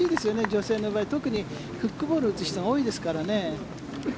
女性の場合、特にフックボールを打つ人が多いですからね。